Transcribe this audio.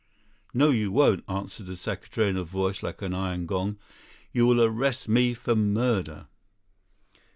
"No, you won't," answered the secretary in a voice like an iron gong, "you will arrest me for murder."